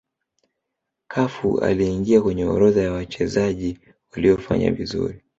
cafu aliingia kwenye orodha ya wachezaji waliofanya vizuri